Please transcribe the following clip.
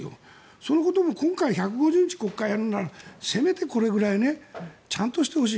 そのことも今回１５０日国会やるならせめてこれぐらいちゃんとしてほしい。